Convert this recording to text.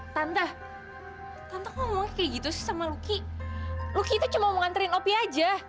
tante ngomong kayak gitu sih sama luki luki itu cuma mau mengantarin opi aja